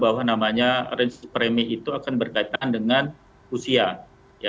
bahwa namanya range premi itu akan berkaitan dengan usia